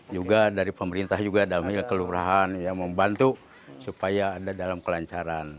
juga dari pemerintah juga dalam kelurahan yang membantu supaya ada dalam kelancaran